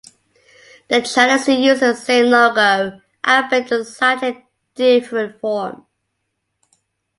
The channel still uses the same logo, albeit in a slightly different form.